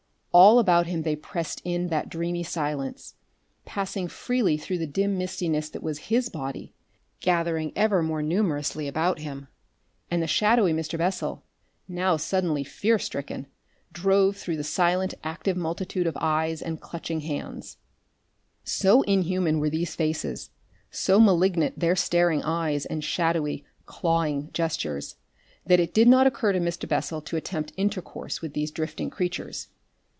All about him they pressed in that dreamy silence, passing freely through the dim mistiness that was his body, gathering ever more numerously about him. And the shadowy Mr. Bessel, now suddenly fear stricken, drove through the silent, active multitude of eyes and clutching hands. So inhuman were these faces, so malignant their staring eyes, and shadowy, clawing gestures, that it did not occur to Mr. Bessel to attempt intercourse with these drifting creatures.